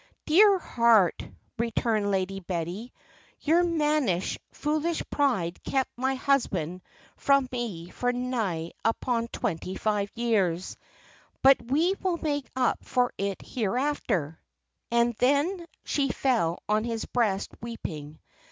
"'Dear heart,' returned Lady Betty, 'your mannish, foolish pride kept my husband from me for nigh upon twenty five years, but we will make up for it hereafter;' and then she fell on his breast weeping.